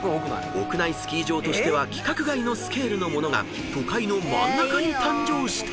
［屋内スキー場としては規格外のスケールの物が都会の真ん中に誕生した］